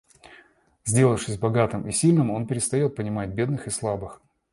Сделавшись богатым и сильным, он перестает понимать бедных и слабых.